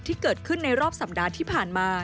ที่เกิดขึ้นในรอบสัปดาห์ที่ผ่านมา